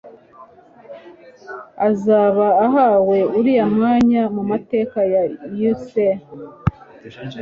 uzaba ahawe uriya mwanya mu mateka ya USA.